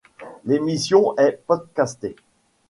L'émission est podcastée.